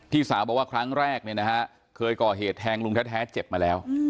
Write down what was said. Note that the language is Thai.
สาวบอกว่าครั้งแรกเนี่ยนะฮะเคยก่อเหตุแทงลุงแท้เจ็บมาแล้ว